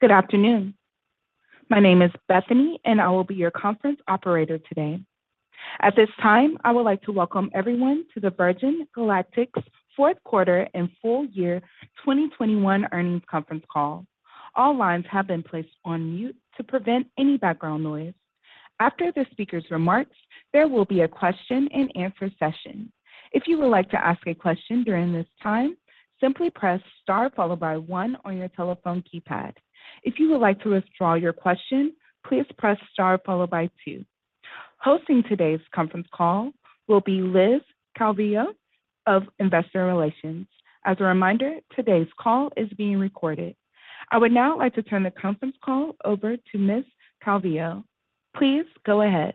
Good afternoon. My name is Bethany, and I will be your conference operator today. At this time, I would like to welcome everyone to the Virgin Galactic's Q4 and Full Year 2021 Earnings Conference Call. All lines have been placed on mute to prevent any background noise. After the speaker's remarks, there will be a question and answer session. If you would like to ask a question during this time, simply press star followed by one on your telephone keypad. If you would like to withdraw your question, please press star followed by two. Hosting today's conference call will be Liz Calvillo of Investor Relations. As a reminder, today's call is being recorded. I would now like to turn the conference call over to Ms. Calvillo. Please go ahead.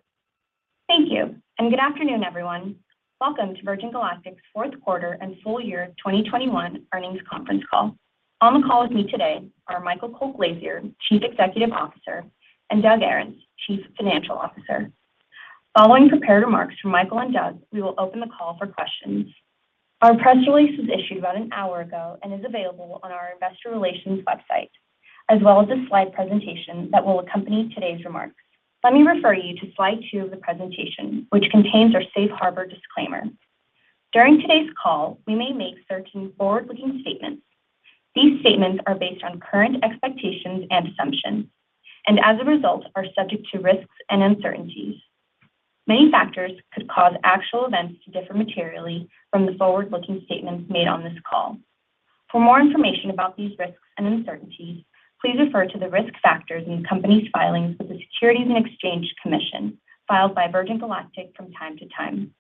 Thank you and good afternoon, everyone. Welcome to Virgin Galactic's Q4 and Full Year 2021 Earnings Conference Call. On the call with me today are Michael Colglazier, Chief Executive Officer, and Doug Ahrens, Chief Financial Officer. Following prepared remarks from Michael and Doug, we will open the call for questions. Our press release was issued about an hour ago and is available on our investor relations website, as well as the slide presentation that will accompany today's remarks. Let me refer you to slide two of the presentation, which contains our safe harbor disclaimer. During today's call, we may make certain forward-looking statements. These statements are based on current expectations and assumptions, and as a result, are subject to risks and uncertainties. Many factors could cause actual events to differ materially from the forward-looking statements made on this call. For more information about these risks and uncertainties, please refer to the risk factors in the company's filings with the Securities and Exchange Commission, filed by Virgin Galactic from time to time.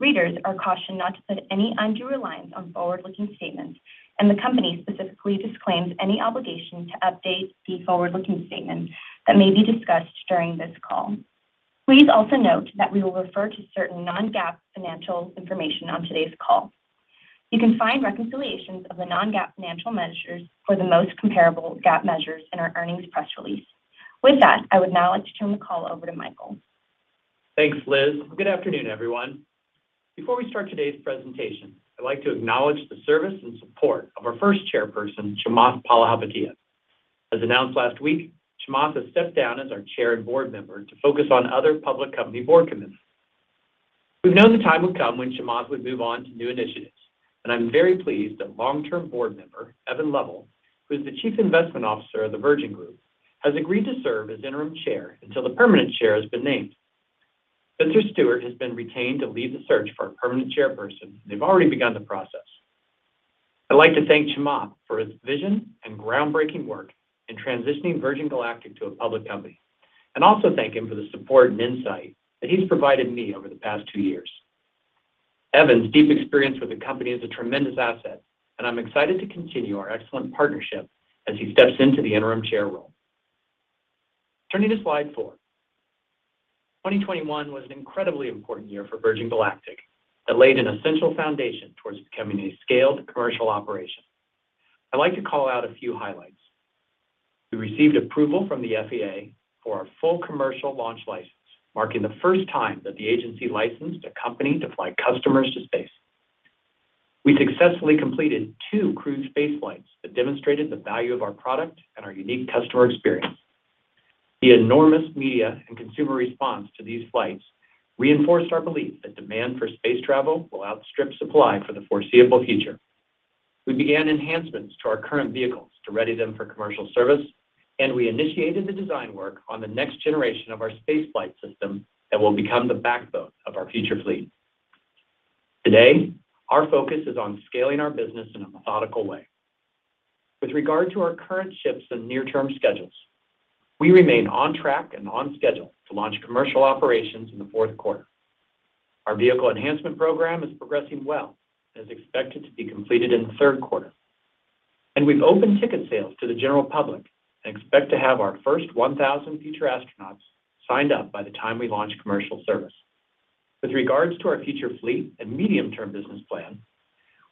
Readers are cautioned not to put any undue reliance on forward-looking statements, and the company specifically disclaims any obligation to update the forward-looking statements that may be discussed during this call. Please also note that we will refer to certain non-GAAP financial information on today's call. You can find reconciliations of the non-GAAP financial measures for the most comparable GAAP measures in our earnings press release. With that, I would now like to turn the call over to Michael. Thanks, Liz. Good afternoon, everyone. Before we start today's presentation, I'd like to acknowledge the service and support of our first chairperson, Chamath Palihapitiya. As announced last week, Chamath has stepped down as our chair and board member to focus on other public company board commitments. We've known the time would come when Chamath would move on to new initiatives, and I'm very pleased that long-term board member, Evan Lovell, who is the Chief Investment Officer of the Virgin Group, has agreed to serve as interim chair until the permanent chair has been named. Spencer Stuart has been retained to lead the search for a permanent chairperson, and they've already begun the process. I'd like to thank Chamath for his vision and groundbreaking work in transitioning Virgin Galactic to a public company, and also thank him for the support and insight that he's provided me over the past two years. Evan's deep experience with the company is a tremendous asset, and I'm excited to continue our excellent partnership as he steps into the interim chair role. Turning to slide four. 2021 was an incredibly important year for Virgin Galactic that laid an essential foundation towards becoming a scaled commercial operation. I'd like to call out a few highlights. We received approval from the FAA for our full commercial launch license, marking the first time that the agency licensed a company to fly customers to space. We successfully completed two crewed space flights that demonstrated the value of our product and our unique customer experience. The enormous media and consumer response to these flights reinforced our belief that demand for space travel will outstrip supply for the foreseeable future. We began enhancements to our current vehicles to ready them for commercial service, and we initiated the design work on the next generation of our space flight system that will become the backbone of our future fleet. Today, our focus is on scaling our business in a methodical way. With regard to our current ships and near-term schedules, we remain on track and on schedule to launch commercial operations in the Q4. Our vehicle enhancement program is progressing well, and is expected to be completed in the Q3. We've opened ticket sales to the general public and expect to have our first 1,000 Future Astronauts signed up by the time we launch commercial service. With regards to our future fleet and medium-term business plan,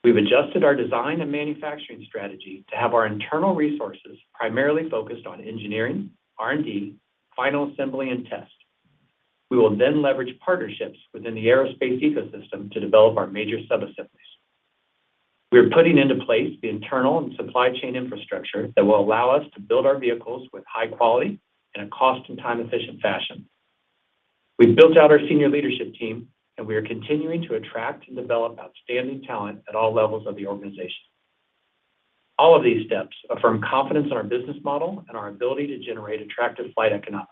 we've adjusted our design and manufacturing strategy to have our internal resources primarily focused on engineering, R&D, final assembly, and test. We will then leverage partnerships within the aerospace ecosystem to develop our major sub assemblies. We are putting into place the internal and supply chain infrastructure that will allow us to build our vehicles with high quality in a cost and time-efficient fashion. We've built out our senior leadership team, and we are continuing to attract and develop outstanding talent at all levels of the organization. All of these steps affirm confidence in our business model and our ability to generate attractive flight economics.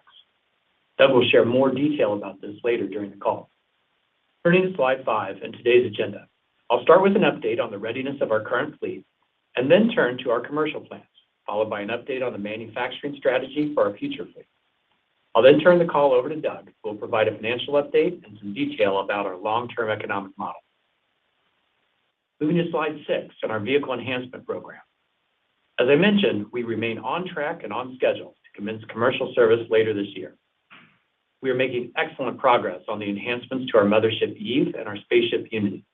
Doug will share more detail about this later during the call. Turning to slide five and today's agenda. I'll start with an update on the readiness of our current fleet and then turn to our commercial plans, followed by an update on the manufacturing strategy for our future fleet. I'll then turn the call over to Doug, who will provide a financial update and some detail about our long-term economic model. Moving to slide six on our vehicle enhancement program. As I mentioned, we remain on track and on schedule to commence commercial service later this year. We are making excellent progress on the enhancements to our mothership Eve and our spaceship Unity.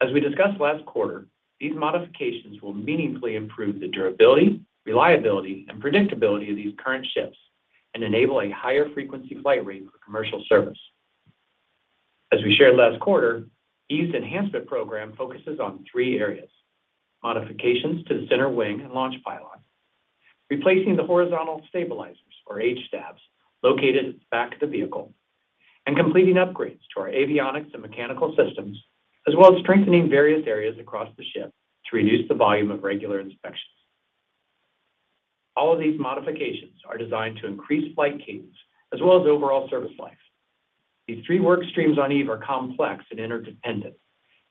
As we discussed last quarter, these modifications will meaningfully improve the durability, reliability, and predictability of these current ships and enable a higher frequency flight rate for commercial service. As we shared last quarter, Eve's enhancement program focuses on three areas: modifications to the center wing and launch pylon, replacing the horizontal stabilizers or H-Stabs located at the back of the vehicle, and completing upgrades to our avionics and mechanical systems, as well as strengthening various areas across the ship to reduce the volume of regular inspections. All of these modifications are designed to increase flight cadence as well as overall service life. These three work streams on Eve are complex and interdependent,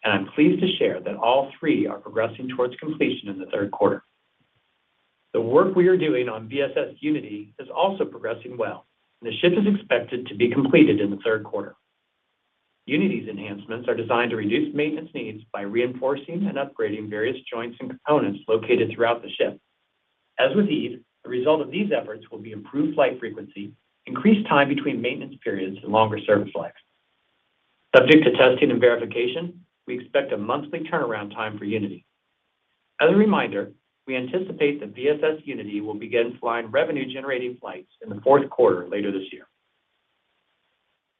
and I'm pleased to share that all three are progressing towards completion in the Q3. The work we are doing on VSS Unity is also progressing well, and the ship is expected to be completed in the Q3. Unity's enhancements are designed to reduce maintenance needs by reinforcing and upgrading various joints and components located throughout the ship. As with Eve, the result of these efforts will be improved flight frequency, increased time between maintenance periods, and longer service life. Subject to testing and verification, we expect a monthly turnaround time for Unity. As a reminder, we anticipate that VSS Unity will begin flying revenue-generating flights in the Q4 later this year.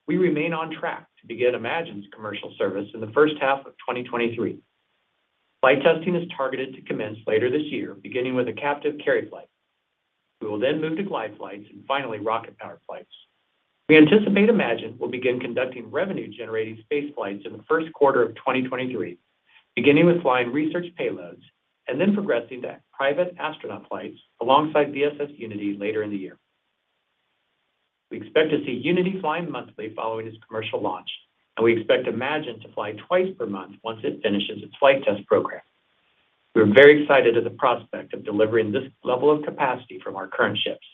We remain on track to begin Imagine's commercial service in the H1 of 2023. Flight testing is targeted to commence later this year, beginning with a captive carry flight. We will then move to glide flights and finally rocket-powered flights. We anticipate Imagine will begin conducting revenue-generating space flights in the Q1 of 2023, beginning with flying research payloads and then progressing to private astronaut flights alongside VSS Unity later in the year. We expect to see Unity flying monthly following its commercial launch, and we expect Imagine to fly twice per month once it finishes its flight test program. We are very excited at the prospect of delivering this level of capacity from our current ships.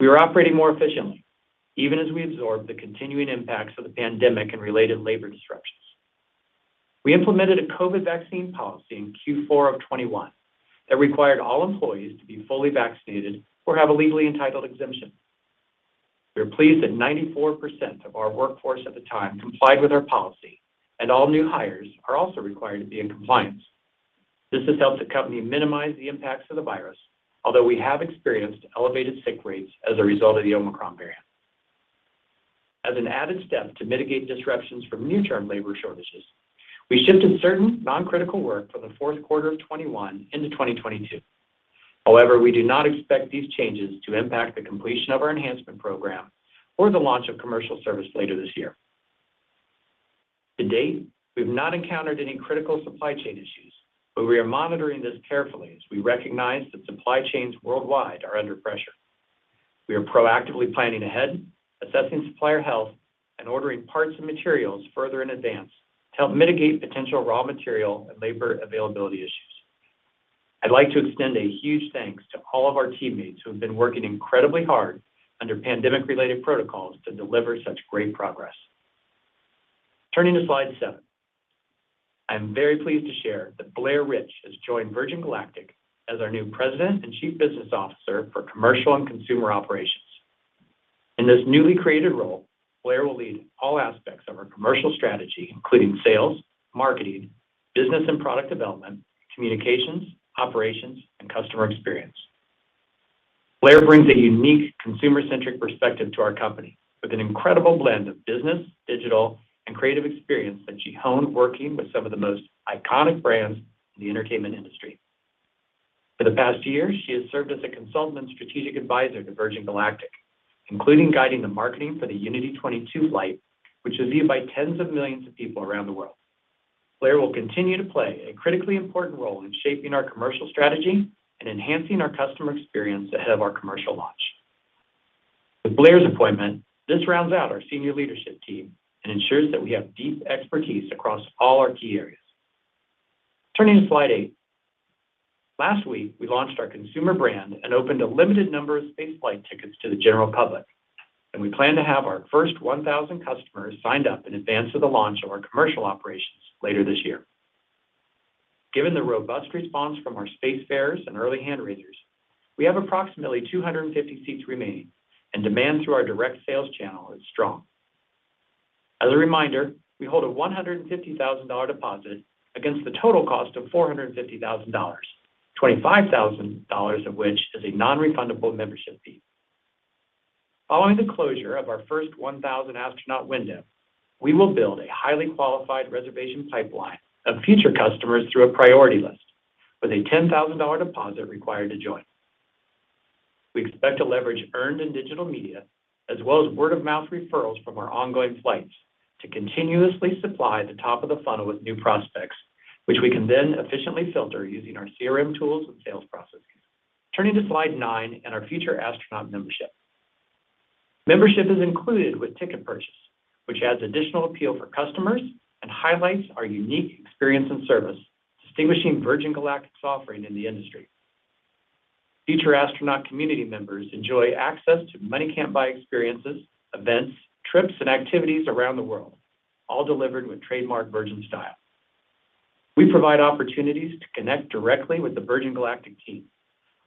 We are operating more efficiently, even as we absorb the continuing impacts of the pandemic and related labor disruptions. We implemented a COVID vaccine policy in Q4 of 2021 that required all employees to be fully vaccinated or have a legally entitled exemption. We are pleased that 94% of our workforce at the time complied with our policy, and all new hires are also required to be in compliance. This has helped the company minimize the impacts of the virus, although we have experienced elevated sick rates as a result of the Omicron variant. As an added step to mitigate disruptions from near-term labor shortages, we shifted certain non-critical work from the Q4 of 2021 into 2022. However, we do not expect these changes to impact the completion of our enhancement program or the launch of commercial service later this year. To date, we have not encountered any critical supply chain issues, but we are monitoring this carefully as we recognize that supply chains worldwide are under pressure. We are proactively planning ahead, assessing supplier health and ordering parts and materials further in advance to help mitigate potential raw material and labor availability issues. I'd like to extend a huge thanks to all of our teammates who have been working incredibly hard under pandemic-related protocols to deliver such great progress. Turning to slide seven. I am very pleased to share that Blair Rich has joined Virgin Galactic as our new President and Chief Business Officer for Commercial and Consumer Operations. In this newly created role, Blair will lead all aspects of our commercial strategy, including sales, marketing, business and product development, communications, operations, and customer experience. Blair brings a unique consumer-centric perspective to our company with an incredible blend of business, digital, and creative experience that she honed working with some of the most iconic brands in the entertainment industry. For the past year, she has served as a consultant and strategic advisor to Virgin Galactic, including guiding the marketing for the Unity 22 flight, which was viewed by tens of millions of people around the world. Blair will continue to play a critically important role in shaping our commercial strategy and enhancing our customer experience ahead of our commercial launch. With Blair's appointment, this rounds out our senior leadership team and ensures that we have deep expertise across all our key areas. Turning to slide eight. Last week, we launched our consumer brand and opened a limited number of space flight tickets to the general public, and we plan to have our first 1,000 customers signed up in advance of the launch of our commercial operations later this year. Given the robust response from our Spacefarers and early hand-raisers, we have approximately 250 seats remaining and demand through our direct sales channel is strong. As a reminder, we hold a $150,000 deposit against the total cost of $450,000, $25,000 of which is a non-refundable membership fee. Following the closure of our first 1,000 astronaut window, we will build a highly qualified reservation pipeline of future customers through a priority list with a $10,000 deposit required to join. We expect to leverage earned and digital media as well as word of mouth referrals from our ongoing flights to continuously supply the top of the funnel with new prospects, which we can then efficiently filter using our CRM tools and sales processes. Turning to slide nine and our Future Astronaut membership. Membership is included with ticket purchase, which adds additional appeal for customers and highlights our unique experience and service, distinguishing Virgin Galactic's offering in the industry. Future Astronaut community members enjoy access to money-can't-buy experiences, events, trips, and activities around the world, all delivered with trademark Virgin style. We provide opportunities to connect directly with the Virgin Galactic team,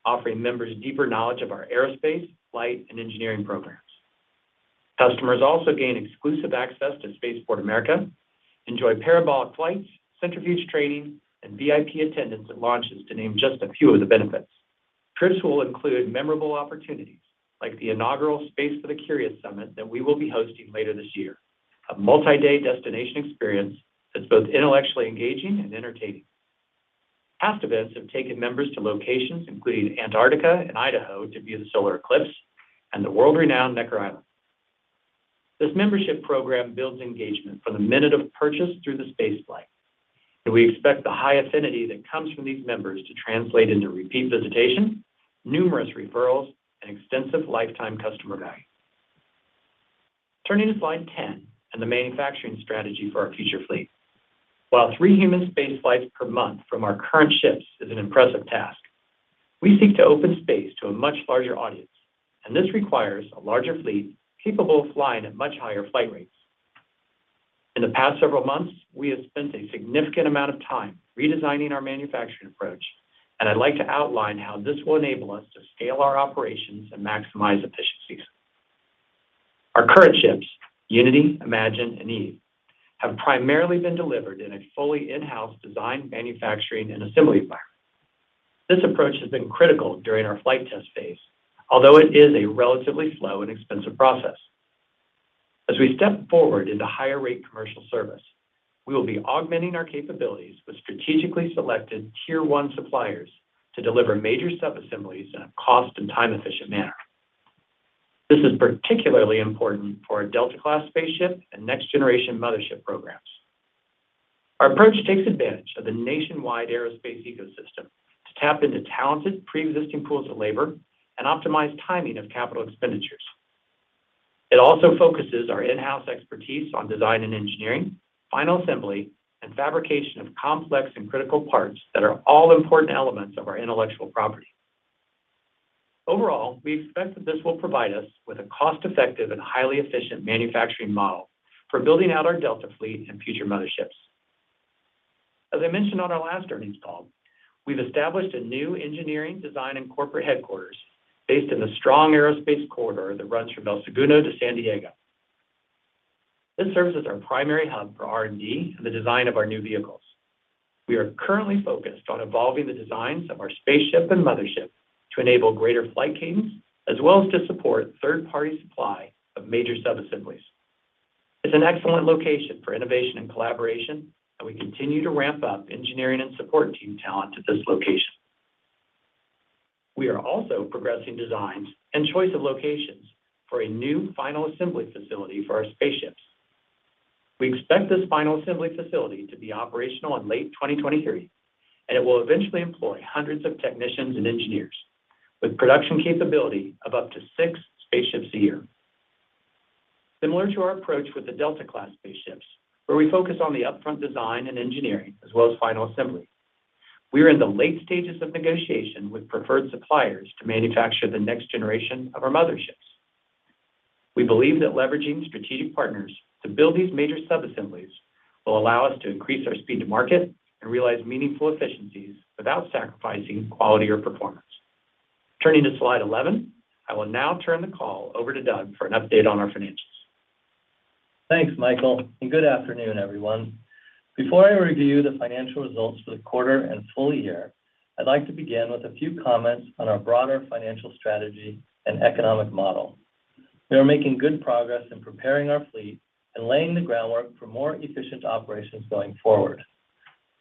offering members deeper knowledge of our aerospace, flight, and engineering programs. Customers also gain exclusive access to Spaceport America, enjoy parabolic flights, centrifuge training, and VIP attendance at launches to name just a few of the benefits. Trips will include memorable opportunities like the inaugural Space for the Curious summit that we will be hosting later this year. A multi-day destination experience that's both intellectually engaging and entertaining. Past events have taken members to locations including Antarctica and Idaho to view the solar eclipse and the world-renowned Necker Island. This membership program builds engagement from the minute of purchase through the space flight, and we expect the high affinity that comes from these members to translate into repeat visitation, numerous referrals, and extensive lifetime customer value. Turning to slide 10 and the manufacturing strategy for our future fleet. While three human space flights per month from our current ships is an impressive task, we seek to open space to a much larger audience, and this requires a larger fleet capable of flying at much higher flight rates. In the past several months, we have spent a significant amount of time redesigning our manufacturing approach, and I'd like to outline how this will enable us to scale our operations and maximize efficiencies. Our current ships, Unity, Imagine, and Eve, have primarily been delivered in a fully in-house design, manufacturing, and assembly environment. This approach has been critical during our flight test phase, although it is a relatively slow and expensive process. As we step forward into higher rate commercial service, we will be augmenting our capabilities with strategically selected tier one suppliers to deliver major subassemblies in a cost and time-efficient manner. This is particularly important for our Delta class spaceship and next-generation mothership programs. Our approach takes advantage of the nationwide aerospace ecosystem to tap into talented preexisting pools of labor and optimize timing of capital expenditures. It also focuses our in-house expertise on design and engineering, final assembly, and fabrication of complex and critical parts that are all important elements of our intellectual property. Overall, we expect that this will provide us with a cost-effective and highly efficient manufacturing model for building out our Delta fleet and future motherships. As I mentioned on our last earnings call, we've established a new engineering design and corporate headquarters based in the strong aerospace corridor that runs from El Segundo to San Diego. This serves as our primary hub for R&D and the design of our new vehicles. We are currently focused on evolving the designs of our spaceship and mothership to enable greater flight cadence, as well as to support third-party supply of major subassemblies. It's an excellent location for innovation and collaboration, and we continue to ramp up engineering and support team talent at this location. We are also progressing designs and choice of locations for a new final assembly facility for our spaceships. We expect this final assembly facility to be operational in late 2023, and it will eventually employ hundreds of technicians and engineers with production capability of up to six spaceships a year. Similar to our approach with the Delta class spaceships, where we focus on the upfront design and engineering as well as final assembly, we are in the late stages of negotiation with preferred suppliers to manufacture the next generation of our motherships. We believe that leveraging strategic partners to build these major subassemblies will allow us to increase our speed to market and realize meaningful efficiencies without sacrificing quality or performance. Turning to slide 11, I will now turn the call over to Doug for an update on our financials. Thanks, Michael, and good afternoon, everyone. Before I review the financial results for the quarter and full year, I'd like to begin with a few comments on our broader financial strategy and economic model. We are making good progress in preparing our fleet and laying the groundwork for more efficient operations going forward.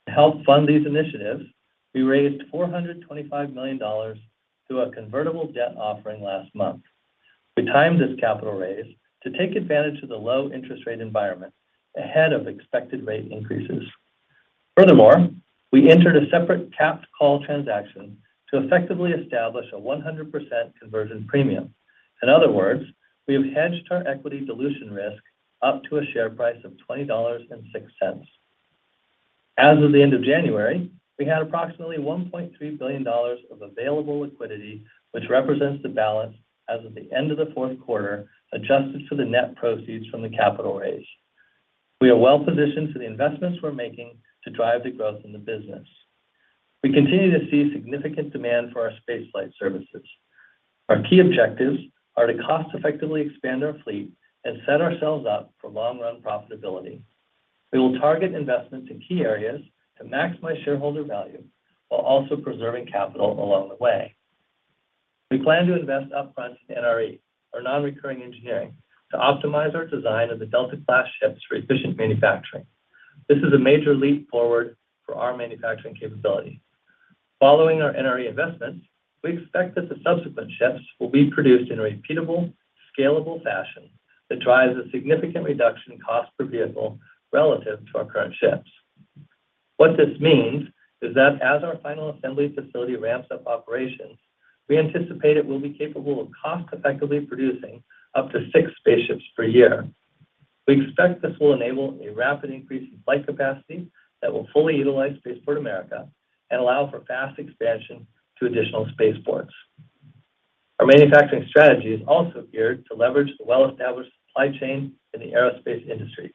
To help fund these initiatives, we raised $425 million through a convertible debt offering last month. We timed this capital raise to take advantage of the low interest rate environment ahead of expected rate increases. Furthermore, we entered a separate capped call transaction to effectively establish a 100% conversion premium. In other words, we have hedged our equity dilution risk up to a share price of $20.06. As of the end of January, we had approximately $1.3 billion of available liquidity, which represents the balance as of the end of the Q4, adjusted for the net proceeds from the capital raise. We are well-positioned for the investments we're making to drive the growth in the business. We continue to see significant demand for our space flight services. Our key objectives are to cost effectively expand our fleet and set ourselves up for long-run profitability. We will target investment to key areas to maximize shareholder value while also preserving capital along the way. We plan to invest upfront in NRE, our non-recurring engineering, to optimize our design of the Delta class ships for efficient manufacturing. This is a major leap forward for our manufacturing capability. Following our NRE investment, we expect that the subsequent ships will be produced in a repeatable, scalable fashion that drives a significant reduction in cost per vehicle relative to our current ships. What this means is that as our final assembly facility ramps up operations, we anticipate it will be capable of cost effectively producing up to six spaceships per year. We expect this will enable a rapid increase in flight capacity that will fully utilize Spaceport America and allow for fast expansion to additional spaceports. Our manufacturing strategy is also geared to leverage the well-established supply chain in the aerospace industry.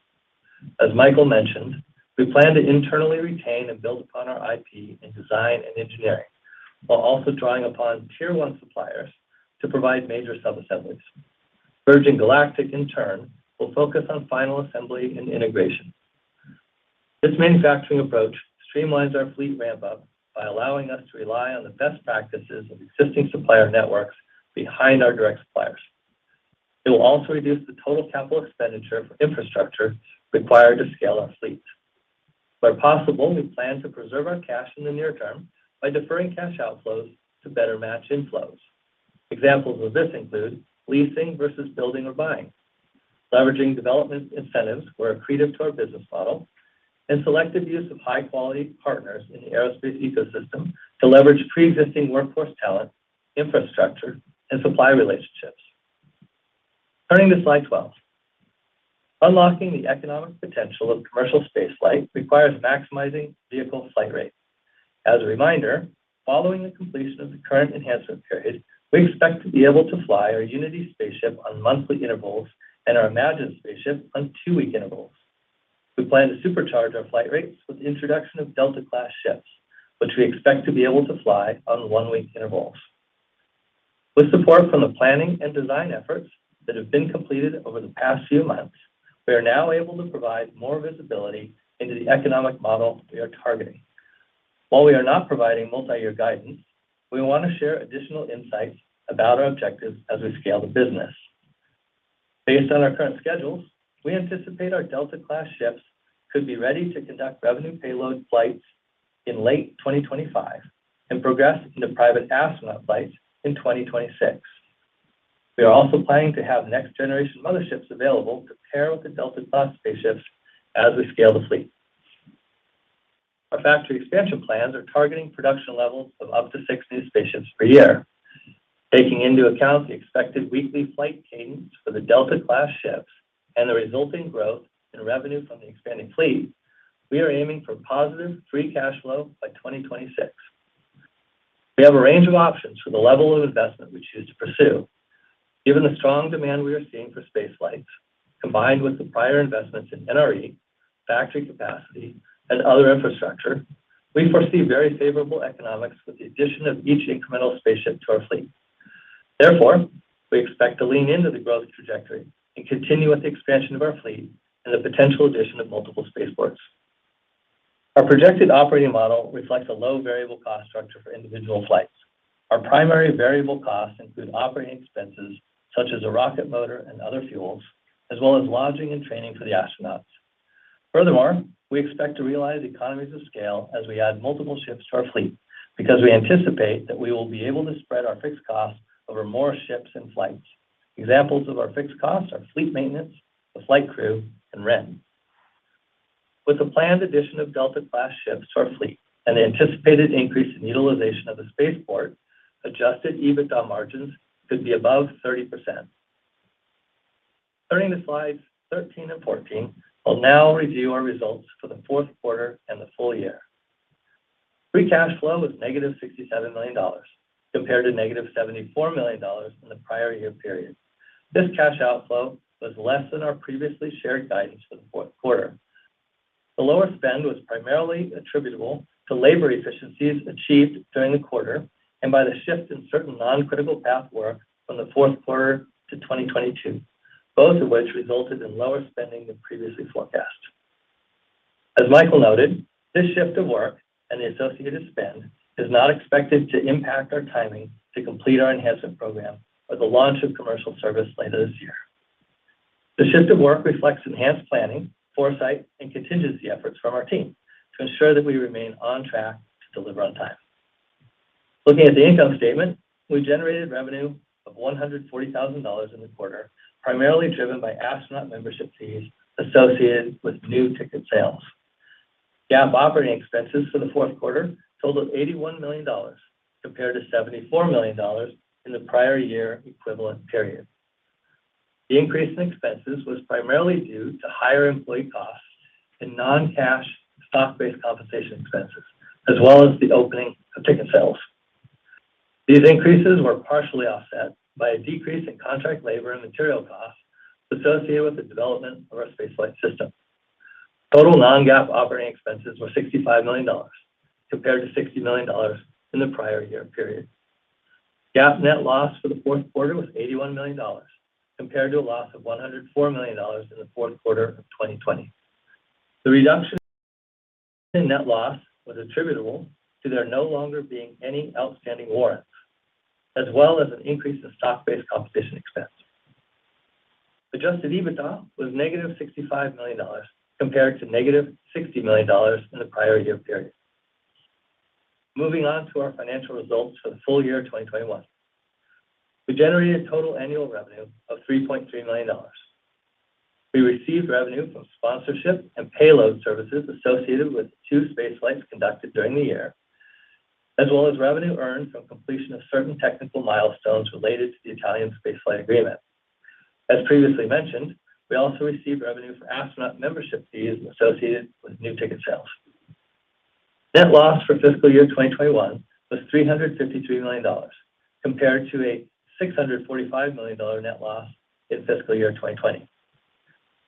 As Michael mentioned, we plan to internally retain and build upon our IP in design and engineering, while also drawing upon tier one suppliers to provide major subassemblies. Virgin Galactic, in turn, will focus on final assembly and integration. This manufacturing approach streamlines our fleet ramp up by allowing us to rely on the best practices of existing supplier networks behind our direct suppliers. It will also reduce the total capital expenditure for infrastructure required to scale our fleet. Where possible, we plan to preserve our cash in the near term by deferring cash outflows to better match inflows. Examples of this include leasing versus building or buying, leveraging development incentives where accretive to our business model, and selective use of high-quality partners in the aerospace ecosystem to leverage preexisting workforce talent, infrastructure, and supply relationships. Turning to slide 12. Unlocking the economic potential of commercial spaceflight requires maximizing vehicle flight rate. As a reminder, following the completion of the current enhancement period, we expect to be able to fly our Unity spaceship on monthly intervals and our Imagine spaceship on two-week intervals. We plan to supercharge our flight rates with the introduction of Delta class ships, which we expect to be able to fly on one-week intervals. With support from the planning and design efforts that have been completed over the past few months, we are now able to provide more visibility into the economic model we are targeting. While we are not providing multi-year guidance, we want to share additional insights about our objectives as we scale the business. Based on our current schedules, we anticipate our Delta class ships could be ready to conduct revenue payload flights in late 2025 and progress into private astronaut flights in 2026. We are also planning to have next generation motherships available to pair with the Delta class spaceships as we scale the fleet. Our factory expansion plans are targeting production levels of up to six new spaceships per year. Taking into account the expected weekly flight cadence for the Delta class ships and the resulting growth in revenue from the expanding fleet, we are aiming for positive free cash flow by 2026. We have a range of options for the level of investment we choose to pursue. Given the strong demand we are seeing for spaceflights, combined with the prior investments in NRE, factory capacity, and other infrastructure, we foresee very favorable economics with the addition of each incremental spaceship to our fleet. Therefore, we expect to lean into the growth trajectory and continue with the expansion of our fleet and the potential addition of multiple spaceports. Our projected operating model reflects a low variable cost structure for individual flights. Our primary variable costs include operating expenses such as a rocket motor and other fuels, as well as lodging and training for the astronauts. Furthermore, we expect to realize economies of scale as we add multiple ships to our fleet because we anticipate that we will be able to spread our fixed costs over more ships and flights. Examples of our fixed costs are fleet maintenance, the flight crew, and rent. With the planned addition of Delta class ships to our fleet and the anticipated increase in utilization of the spaceport, adjusted EBITDA margins could be above 30%. Turning to slides 13 and 14, I'll now review our results for the Q4 and the full year. Free cash flow was negative $67 million compared to negative $74 million in the prior year period. This cash outflow was less than our previously shared guidance for the Q4. The lower spend was primarily attributable to labor efficiencies achieved during the quarter and by the shift in certain non-critical path work from the Q4 to 2022, both of which resulted in lower spending than previously forecast. As Michael noted, this shift of work and the associated spend is not expected to impact our timing to complete our enhancement program or the launch of commercial service later this year. The shift of work reflects enhanced planning, foresight, and contingency efforts from our team to ensure that we remain on track to deliver on time. Looking at the income statement, we generated revenue of $140,000 in the quarter, primarily driven by astronaut membership fees associated with new ticket sales. GAAP operating expenses for the Q4 totaled $81 million compared to $74 million in the prior year equivalent period. The increase in expenses was primarily due to higher employee costs and non-cash stock-based compensation expenses, as well as the opening of ticket sales. These increases were partially offset by a decrease in contract labor and material costs associated with the development of our spaceflight system. Total non-GAAP operating expenses were $65 million compared to $60 million in the prior year period. GAAP net loss for the Q4 was $81 million compared to a loss of $104 million in the Q4 of 2020. The reduction in net loss was attributable to there no longer being any outstanding warrants, as well as an increase in stock-based compensation expense. Adjusted EBITDA was -$65 million compared to -$60 million in the prior year period. Moving on to our financial results for the full year of 2021. We generated total annual revenue of $3.3 million. We received revenue from sponsorship and payload services associated with two spaceflights conducted during the year, as well as revenue earned from completion of certain technical milestones related to the Italian spaceflight agreement. As previously mentioned, we also received revenue for astronaut membership fees associated with new ticket sales. Net loss for fiscal year 2021 was $353 million compared to a $645 million net loss in fiscal year 2020.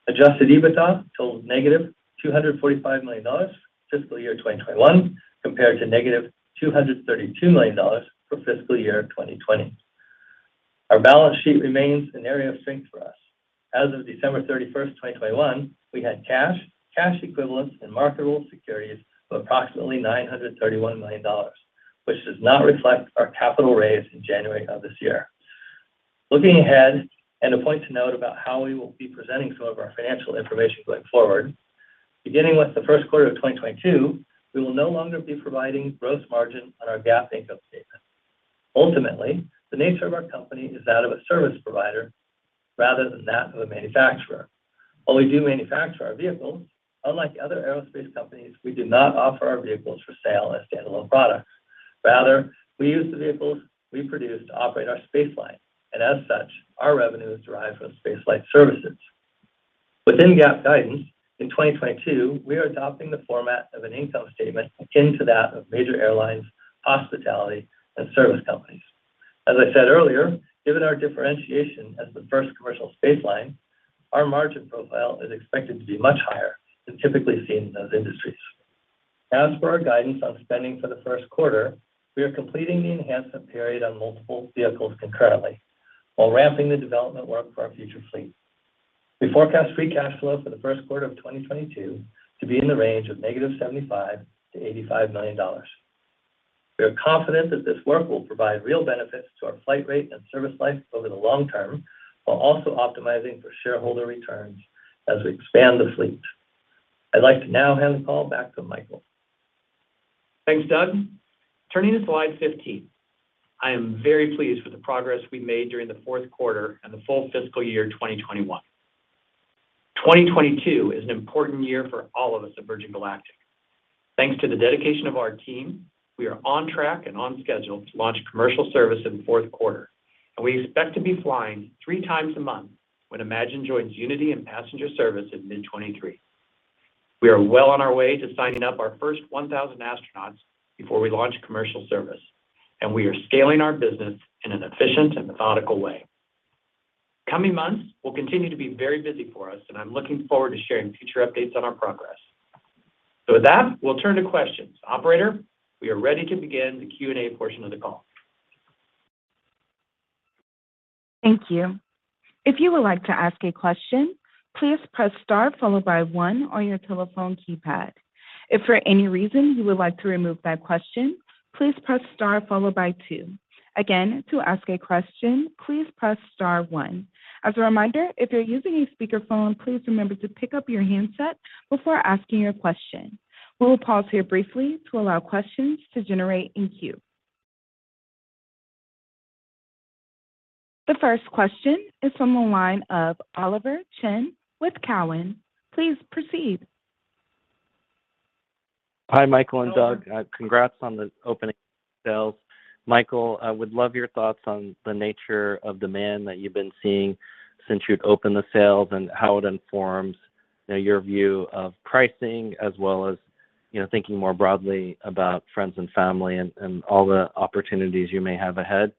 Adjusted EBITDA totaled -$245 million fiscal year 2021 compared to -$232 million for fiscal year 2020. Our balance sheet remains an area of strength for us. As of December 31st, 2021, we had cash equivalents, and marketable securities of approximately $931 million, which does not reflect our capital raise in January of this year. Looking ahead, a point to note about how we will be presenting some of our financial information going forward, beginning with the Q1 of 2022, we will no longer be providing gross margin on our GAAP income statement. Ultimately, the nature of our company is that of a service provider rather than that of a manufacturer. While we do manufacture our vehicles, unlike other aerospace companies, we do not offer our vehicles for sale as standalone products. Rather, we use the vehicles we produce to operate our spaceflight. As such, our revenue is derived from spaceflight services. Within GAAP guidance, in 2022, we are adopting the format of an income statement akin to that of major airlines, hospitality, and service companies. As I said earlier, given our differentiation as the first commercial spaceflight, our margin profile is expected to be much higher than typically seen in those industries. As for our guidance on spending for the Q1, we are completing the enhancement period on multiple vehicles concurrently while ramping the development work for our future fleet. We forecast free cash flow for the Q1 of 2022 to be in the range of negative $75 million-$85 million. We are confident that this work will provide real benefits to our flight rate and service life over the long term, while also optimizing for shareholder returns as we expand the fleet. I'd like to now hand the call back to Michael. Thanks, Doug. Turning to slide 15, I am very pleased with the progress we made during the Q4 and the full fiscal year 2021. 2022 is an important year for all of us at Virgin Galactic. Thanks to the dedication of our team, we are on track and on schedule to launch commercial service in the Q4, and we expect to be flying 3 times a month when Imagine joins Unity in passenger service in mid 2023. We are well on our way to signing up our first 1,000 astronauts before we launch commercial service, and we are scaling our business in an efficient and methodical way. Coming months will continue to be very busy for us, and I'm looking forward to sharing future updates on our progress. With that, we'll turn to questions. Operator, we are ready to begin the Q&A portion of the call. Thank you. If you would like to ask a question, please press star followed by one on your telephone keypad. If for any reason you would like to remove that question, please press star followed by two. Again, to ask a question, please press star one. As a reminder, if you're using a speakerphone, please remember to pick up your handset before asking your question. We will pause here briefly to allow questions to generate in queue. The first question is from the line of Oliver Chen with Cowen. Please proceed. Hi, Michael and Doug. Congrats on the opening sales. Michael, I would love your thoughts on the nature of demand that you've been seeing since you've opened the sales and how it informs, you know, your view of pricing, as well as, you know, thinking more broadly about friends and family and all the opportunities you may have ahead.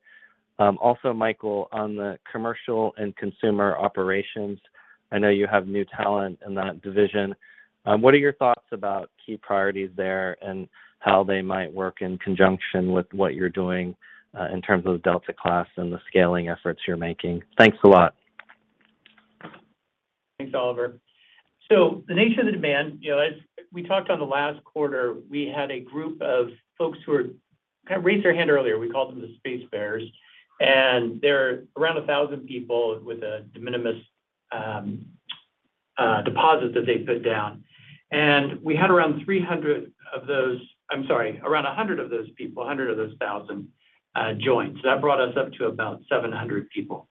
Also, Michael, on the Commercial and Consumer Operations, I know you have new talent in that division. What are your thoughts about key priorities there and how they might work in conjunction with what you're doing in terms of Delta class and the scaling efforts you're making? Thanks a lot. Thanks, Oliver. The nature of the demand, you know, as we talked on the last quarter, we had a group of folks who kind of raised their hand earlier. We called them the Spacefarers, and there are around 1,000 people with a de minimis deposit that they put down. We had around 100 of those people, 100 of those 1,000, join. That brought us up to about 700 people.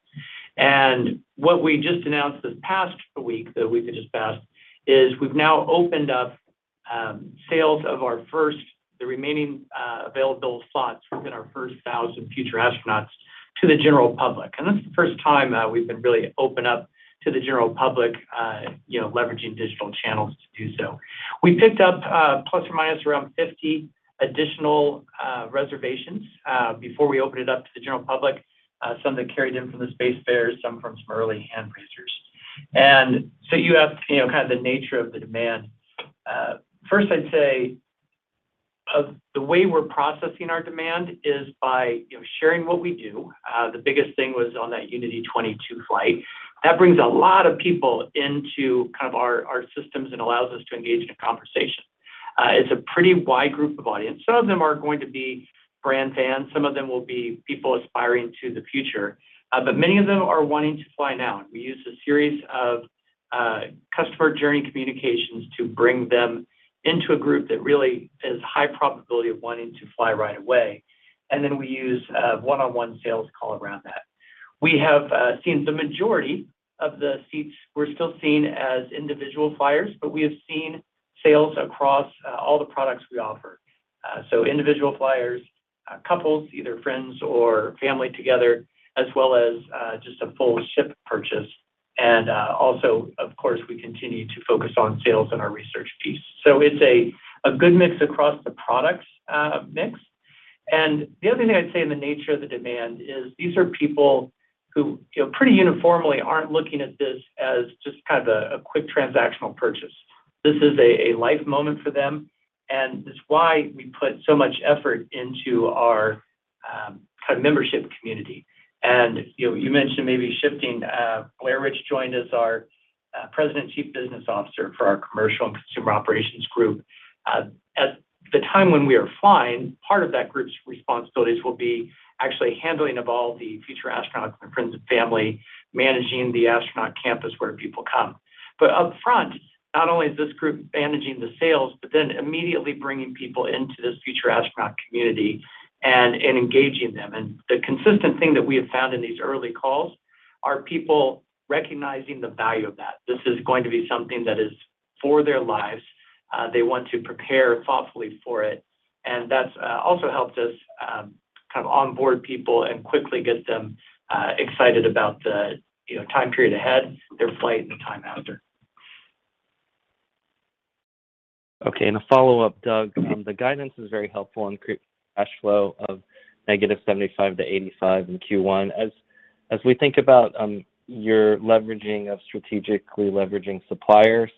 What we just announced this past week, the week that just passed, is we've now opened up sales of the remaining available slots within our first 1,000 Future Astronauts to the general public. This is the first time we've been really open up to the general public, you know, leveraging digital channels to do so. We picked up, plus or minus around 50 additional reservations, before we opened it up to the general public, some that carried in from the Spacefarers, some from some early hand-raisers. You asked, you know, kind of the nature of the demand. First, I'd say of the way we're processing our demand is by, you know, sharing what we do. The biggest thing was on that Unity 22 flight. That brings a lot of people into kind of our systems and allows us to engage in a conversation. It's a pretty wide group of audience. Some of them are going to be brand fans, some of them will be people aspiring to the future. Many of them are wanting to fly now. We use a series of customer journey communications to bring them into a group that really is high probability of wanting to fly right away. Then we use a one-on-one sales call around that. We have seen the majority of the seats were still seen as individual flyers, but we have seen sales across all the products we offer, individual flyers, couples, either friends or family together, as well as just a full ship purchase. Also, of course, we continue to focus on sales in our research piece. It's a good mix across the product mix. The other thing I'd say in the nature of the demand is these are people who, you know, pretty uniformly aren't looking at this as just kind of a quick transactional purchase. This is a life moment for them, and it's why we put so much effort into our kind of membership community. You know, you mentioned maybe shifting. Blair Rich joined as our President and Chief Business Officer for our commercial and consumer operations group. At the time when we are flying, part of that group's responsibilities will be actually handling of all the Future Astronaut and friends and family, managing the astronaut campus where people come. But up front, not only is this group managing the sales, but then immediately bringing people into this Future Astronaut community and engaging them. The consistent thing that we have found in these early calls are people recognizing the value of that. This is going to be something that is for their lives. They want to prepare thoughtfully for it, and that's also helped us kind of onboard people and quickly get them excited about the, you know, time period ahead, their flight and time after. Okay. A follow-up, Doug. The guidance is very helpful and creates cash flow of negative $75 million-$85 million in Q1. As we think about your strategically leveraging suppliers,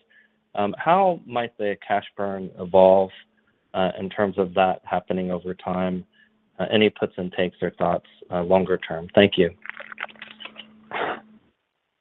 how might the cash burn evolve in terms of that happening over time? Any puts and takes or thoughts longer term? Thank you.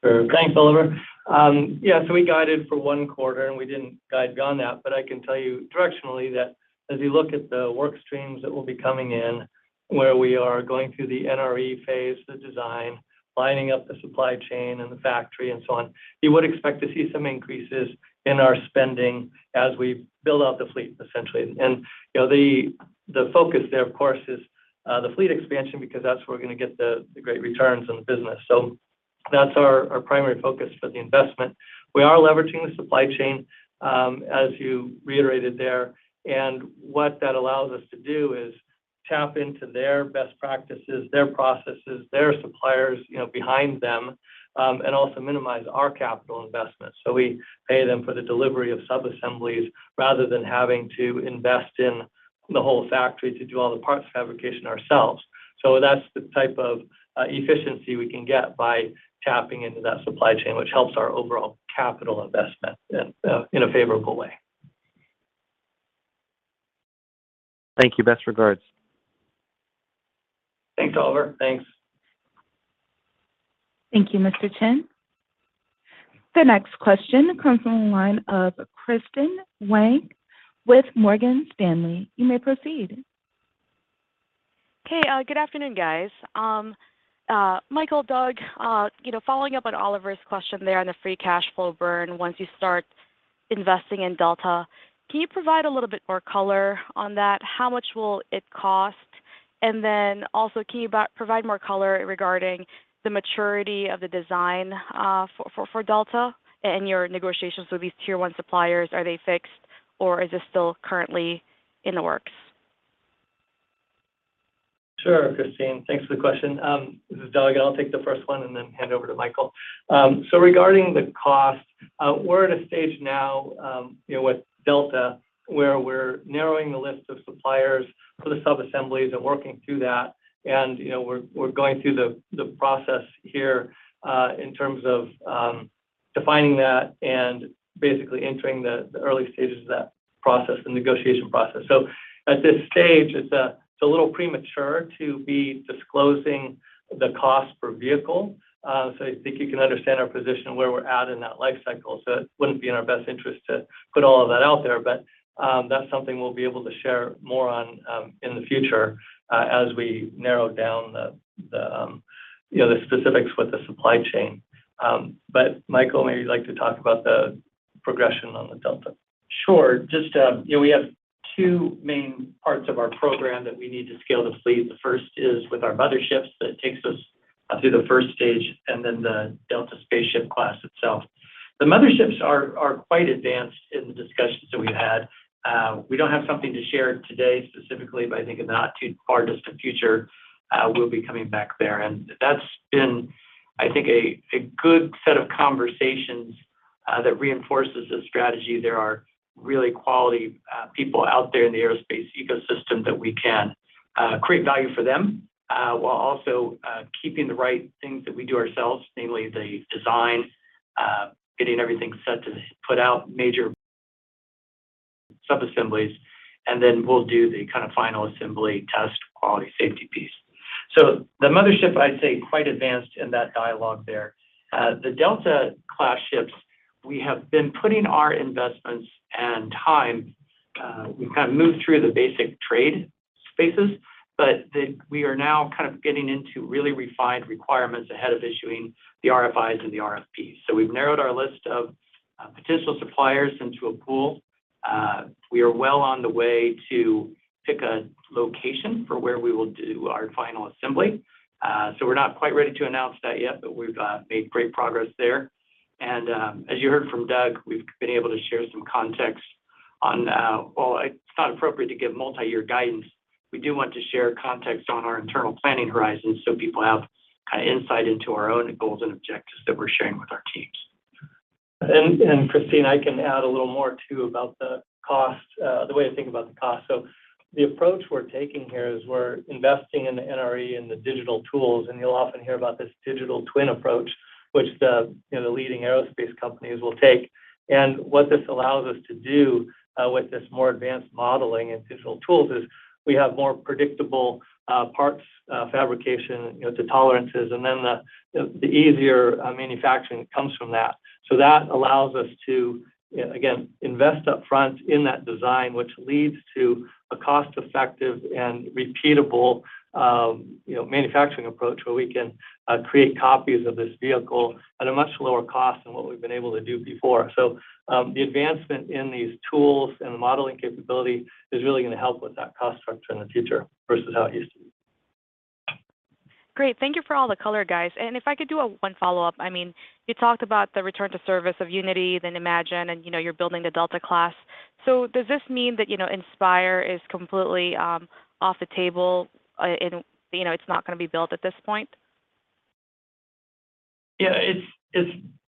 Sure. Thanks, Oliver. Yeah, so we guided for one quarter, and we didn't guide beyond that. I can tell you directionally that as we look at the work streams that will be coming in, where we are going through the NRE phase, the design, lining up the supply chain and the factory and so on, you would expect to see some increases in our spending as we build out the fleet, essentially. You know, the focus there, of course, is the fleet expansion because that's where we're gonna get the great returns on the business. That's our primary focus for the investment. We are leveraging the supply chain as you reiterated there. What that allows us to do is tap into their best practices, their processes, their suppliers, you know, behind them, and also minimize our capital investment. We pay them for the delivery of subassemblies rather than having to invest in the whole factory to do all the parts fabrication ourselves. That's the type of efficiency we can get by tapping into that supply chain, which helps our overall capital investment in a favorable way. Thank you. Best regards. Thanks, Oliver. Thanks. Thank you, Mr. Chen. The next question comes from the line of Kristine Liwag with Morgan Stanley. You may proceed. Okay. Good afternoon, guys. Michael, Doug, you know, following up on Oliver's question there on the free cash flow burn once you start investing in Delta, can you provide a little bit more color on that? How much will it cost? And then also can you provide more color regarding the maturity of the design for Delta and your negotiations with these tier one suppliers? Are they fixed, or is this still currently in the works? Sure, Kristine. Thanks for the question. This is Doug. I'll take the first one and then hand over to Michael. Regarding the cost, we're at a stage now, you know, with Delta where we're narrowing the list of suppliers for the subassemblies and working through that. You know, we're going through the process here, in terms of, defining that and basically entering the early stages of that process and negotiation process. At this stage, it's a little premature to be disclosing the cost per vehicle. I think you can understand our position where we're at in that life cycle. It wouldn't be in our best interest to put all of that out there. That's something we'll be able to share more on in the future as we narrow down you know the specifics with the supply chain. Michael, maybe you'd like to talk about the progression on the Delta. Sure. You know, we have two main parts of our program that we need to scale the fleet. The first is with our motherships that takes us through the first stage and then the Delta spaceship class itself. The motherships are quite advanced in the discussions that we've had. We don't have something to share today specifically, but I think in the not too far distant future we'll be coming back there. That's been I think a good set of conversations that reinforces the strategy. There are really quality people out there in the aerospace ecosystem that we can create value for them while also keeping the right things that we do ourselves, namely the design, getting everything set to put out major subassemblies, and then we'll do the kind of final assembly test, quality, safety piece. The mothership, I'd say, quite advanced in that dialogue there. The Delta class ships, we have been putting our investments and time. We've kind of moved through the basic trade spaces, we are now kind of getting into really refined requirements ahead of issuing the RFIs and the RFPs. We've narrowed our list of potential suppliers into a pool. We are well on the way to pick a location for where we will do our final assembly. We're not quite ready to announce that yet, but we've made great progress there. As you heard from Doug, we've been able to share some context on, while it's not appropriate to give multi-year guidance, we do want to share context on our internal planning horizons so people have kind of insight into our own goals and objectives that we're sharing with our teams. Kristine, I can add a little more too about the cost, the way to think about the cost. The approach we're taking here is we're investing in the NRE and the digital tools, and you'll often hear about this digital twin approach, which the leading aerospace companies will take. What this allows us to do with this more advanced modeling and digital tools is we have more predictable parts fabrication, you know, to tolerances, and then the easier manufacturing comes from that. That allows us to again invest upfront in that design, which leads to a cost-effective and repeatable you know manufacturing approach where we can create copies of this vehicle at a much lower cost than what we've been able to do before. The advancement in these tools and the modeling capability is really gonna help with that cost structure in the future versus how it used to be. Great. Thank you for all the color, guys. If I could do a one follow-up. I mean, you talked about the return to service of Unity, then Imagine, and you know, you're building the Delta class. Does this mean that, you know, Inspire is completely off the table, and, you know, it's not gonna be built at this point? Yeah.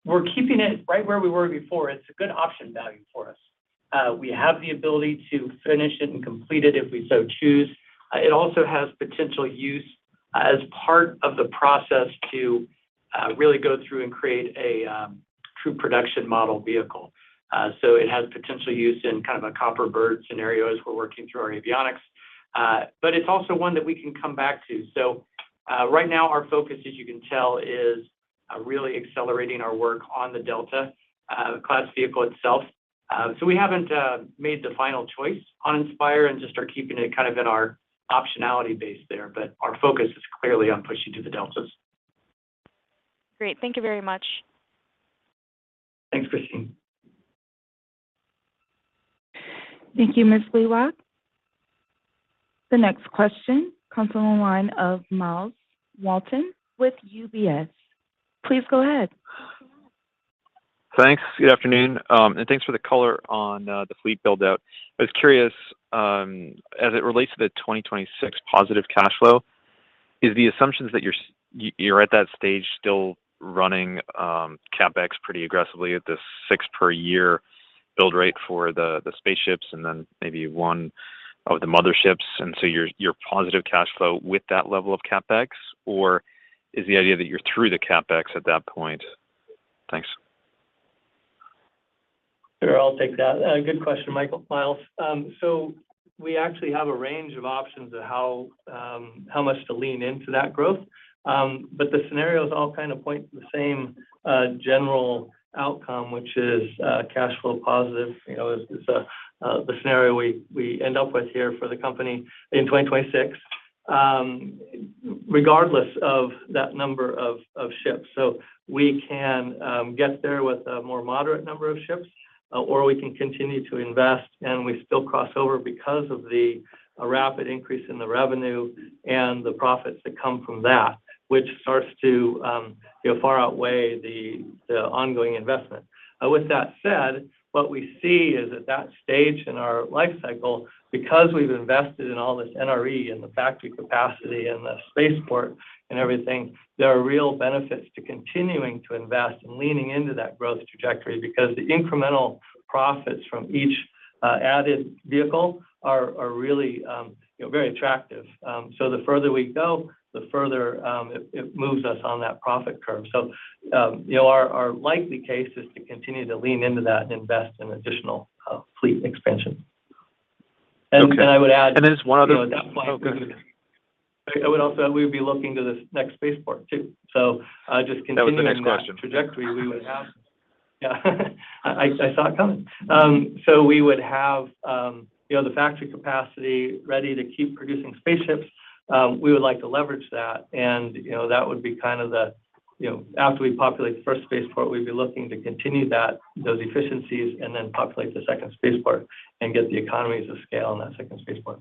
We're keeping it right where we were before. It's a good option value for us. We have the ability to finish it and complete it if we so choose. It also has potential use as part of the process to really go through and create a true production model vehicle. It has potential use in kind of a copper bird scenario as we're working through our avionics. It's also one that we can come back to. Right now our focus, as you can tell, is really accelerating our work on the Delta class vehicle itself. We haven't made the final choice on Inspire and just are keeping it kind of in our optionality base there. Our focus is clearly on pushing to the Deltas. Great. Thank you very much. Thanks, Kristine. Thank you, Ms. Liwag. The next question comes from the line of Myles Walton with UBS. Please go ahead. Thanks. Good afternoon, and thanks for the color on the fleet build-out. I was curious, as it relates to the 2026 positive cash flow, is the assumptions that you're at that stage still running CapEx pretty aggressively at the 6 per year build rate for the spaceships and then maybe one of the motherships and so your positive cash flow with that level of CapEx? Or is the idea that you're through the CapEx at that point? Thanks. Sure. I'll take that. Good question, Michael—Myles. So we actually have a range of options of how much to lean into that growth. But the scenarios all kind of point to the same general outcome, which is cash flow positive, you know, is the scenario we end up with here for the company in 2026, regardless of that number of ships. We can get there with a more moderate number of ships, or we can continue to invest and we still cross over because of the rapid increase in the revenue and the profits that come from that, which starts to, you know, far outweigh the ongoing investment. With that said, what we see is at that stage in our life cycle, because we've invested in all this NRE and the factory capacity and the space port and everything, there are real benefits to continuing to invest and leaning into that growth trajectory because the incremental profits from each added vehicle are really, you know, very attractive. The further we go, the further it moves us on that profit curve. You know, our likely case is to continue to lean into that and invest in additional fleet expansion. Okay. I would add. There's one other. You know, at that point. Oh, go ahead. I would also add, we'd be looking to the next space port too. That was the next question. In that trajectory, we would have. Yeah. I saw it coming. We would have, you know, the factory capacity ready to keep producing spaceships. We would like to leverage that and, you know, that would be kind of the, you know, after we populate the first space port, we'd be looking to continue that, those efficiencies and then populate the second space port and get the economies of scale on that second space port.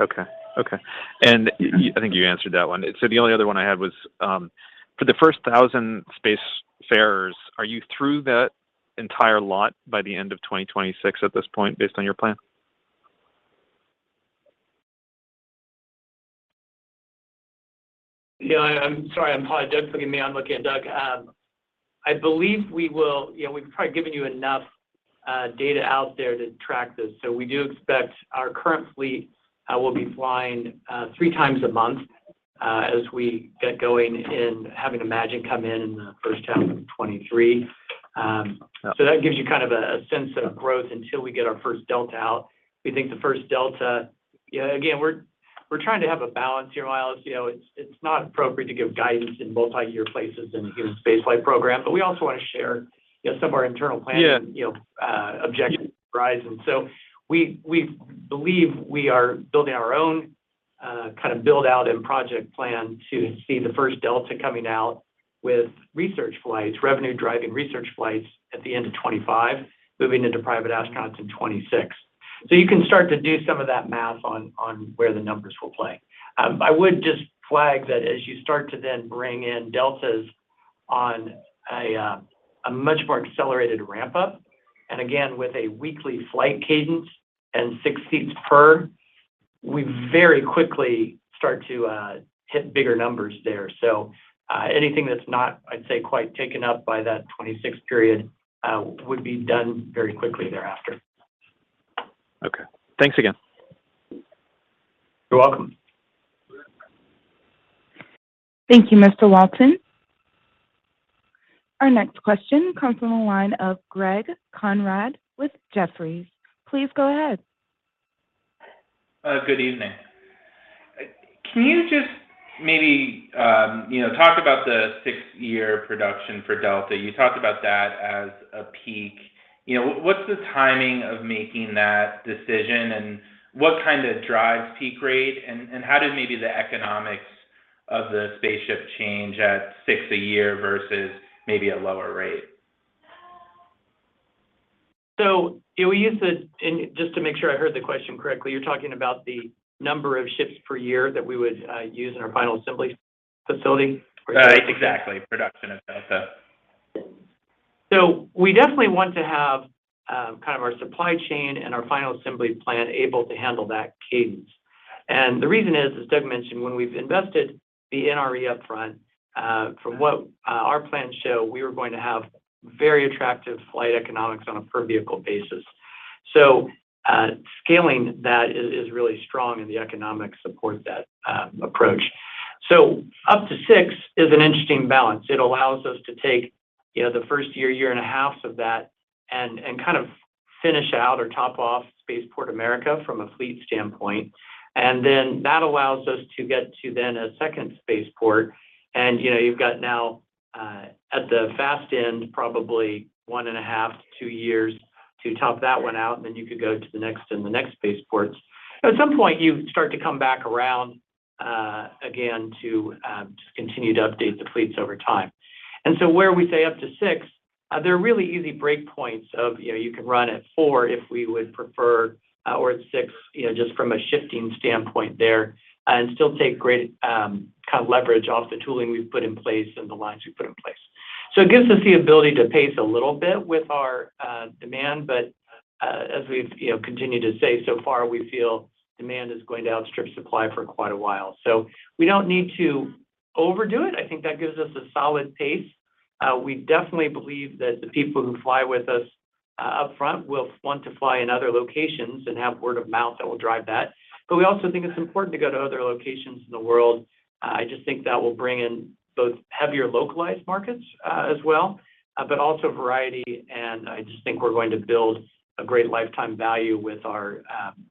Okay. I think you answered that one. The only other one I had was, for the first 1,000 Spacefarers, are you through that entire lot by the end of 2026 at this point based on your plan? Yeah. I'm sorry. Doug's looking at me, I'm looking at Doug. I believe we will. You know, we've probably given you enough data out there to track this. We do expect our current fleet will be flying three times a month as we get going and having Imagine come in in the H1 of 2023. That gives you kind of a sense of growth until we get our first Delta out. We think the first Delta, again, we're trying to have a balance here, Myles. You know, it's not appropriate to give guidance in multi-year phases in space flight program, but we also wanna share some of our internal planning. Yeah you know, objective horizon. We believe we are building our own kind of build-out and project plan to see the first Delta coming out with research flights, revenue-driving research flights at the end of 2025, moving into private astronauts in 2026. You can start to do some of that math on where the numbers will play. I would just flag that as you start to then bring in Deltas on a much more accelerated ramp-up, and again, with a weekly flight cadence and 6 seats per, we very quickly start to hit bigger numbers there. Anything that's not, I'd say, quite taken up by that 2026 period would be done very quickly thereafter. Okay. Thanks again. You're welcome. Thank you, Mr. Walton. Our next question comes from the line of Greg Konrad with Jefferies. Please go ahead. Good evening. Can you just maybe, you know, talk about the six a year production for Delta? You talked about that as a peak. You know, what's the timing of making that decision, and what kind of drives peak rate? How did maybe the economics of the spaceship change at six a year versus maybe a lower rate? Just to make sure I heard the question correctly, you're talking about the number of ships per year that we would use in our final assembly facility? Right. Exactly. Production of Delta. We definitely want to have kind of our supply chain and our final assembly plan able to handle that cadence. The reason is, as Doug mentioned, when we've invested the NRE up front, from what our plans show, we are going to have very attractive flight economics on a per vehicle basis. Scaling that is really strong, and the economics support that approach. Up to six is an interesting balance. It allows us to take, you know, the first year and a half of that and kind of finish out or top off Spaceport America from a fleet standpoint. Then that allows us to get to then a second spaceport. You know, you've got now, at the fast end, probably 1.5-2 years to top that one out, and then you could go to the next and the next spaceports. At some point you start to come back around, again to, just continue to update the fleets over time. Where we say up to 6, they're really easy break points of, you know, you can run at 4 if we would prefer or at 6, you know, just from a shifting standpoint there and still take great, kind of leverage off the tooling we've put in place and the lines we've put in place. It gives us the ability to pace a little bit with our demand. as we've, you know, continued to say so far, we feel demand is going to outstrip supply for quite a while. We don't need to overdo it. I think that gives us a solid pace. We definitely believe that the people who fly with us up front will want to fly in other locations and have word of mouth that will drive that. We also think it's important to go to other locations in the world. I just think that will bring in both heavier localized markets as well, but also variety. I just think we're going to build a great lifetime value with our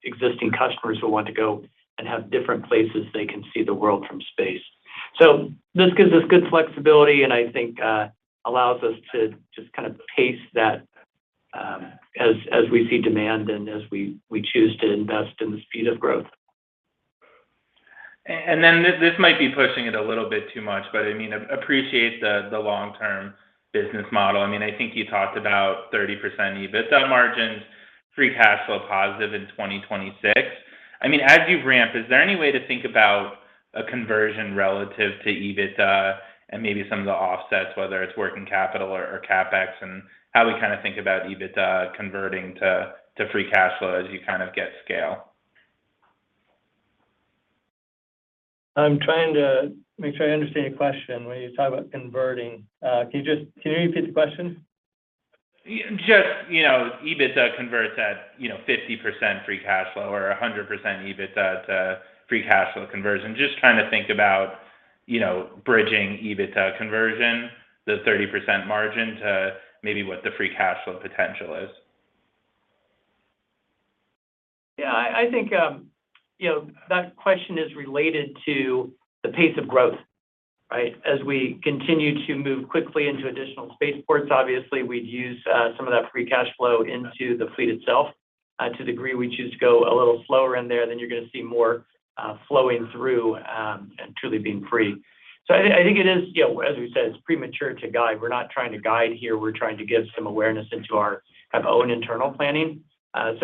existing customers who want to go and have different places they can see the world from space. This gives us good flexibility and I think allows us to just kind of pace that, as we see demand and as we choose to invest in the speed of growth. Then this might be pushing it a little bit too much, but I mean, appreciate the long-term business model. I mean, I think you talked about 30% EBITDA margins, free cash flow positive in 2026. I mean, as you ramp, is there any way to think about a conversion relative to EBITDA and maybe some of the offsets, whether it's working capital or CapEx and how we kind of think about EBITDA converting to free cash flow as you kind of get scale? I'm trying to make sure I understand your question when you talk about converting. Can you repeat the question? Just, you know, EBITDA converts at, you know, 50% free cash flow or 100% EBITDA to free cash flow conversion. Just trying to think about, you know, bridging EBITDA conversion, the 30% margin to maybe what the free cash flow potential is. Yeah, I think, you know, that question is related to the pace of growth, right? As we continue to move quickly into additional spaceports, obviously we'd use some of that free cash flow into the fleet itself. To the degree we choose to go a little slower in there, then you're going to see more flowing through and truly being free. I think it is, you know, as we said, it's premature to guide. We're not trying to guide here. We're trying to give some awareness into our kind of own internal planning.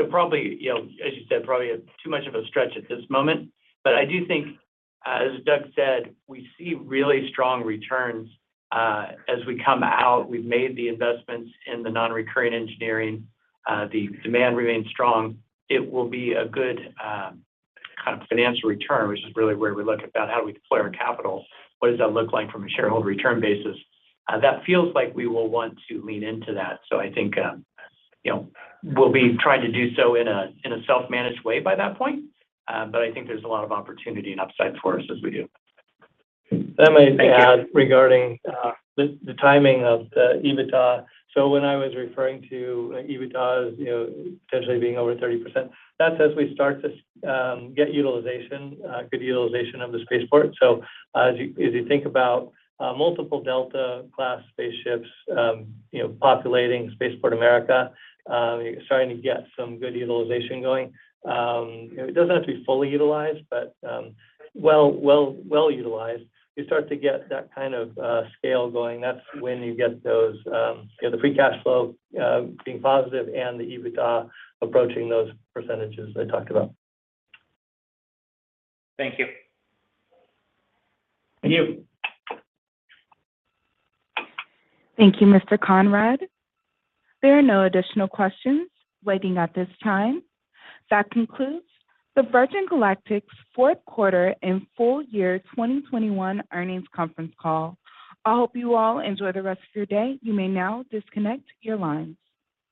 Probably, you know, as you said, probably too much of a stretch at this moment. I do think, as Doug said, we see really strong returns as we come out. We've made the investments in the non-recurring engineering. The demand remains strong. It will be a good kind of financial return, which is really where we look about how do we deploy our capital? What does that look like from a shareholder return basis? That feels like we will want to lean into that. I think, you know, we'll be trying to do so in a self-managed way by that point. I think there's a lot of opportunity and upside for us as we do. Thank you. Let me add regarding the timing of the EBITDA. When I was referring to EBITDA as, you know, potentially being over 30%, that's as we start to get utilization, good utilization of the spaceport. As you think about multiple Delta class spaceships, you know, populating Spaceport America, you're starting to get some good utilization going. It doesn't have to be fully utilized, but well utilized. You start to get that kind of scale going. That's when you get those, you know, the free cash flow being positive and the EBITDA approaching those percentages I talked about. Thank you. Thank you. Thank you, Mr. Konrad. There are no additional questions waiting at this time. That concludes the Virgin Galactic's Q4 and Full Year 2021 Earnings Conference Call. I hope you all enjoy the rest of your day. You may now disconnect your lines.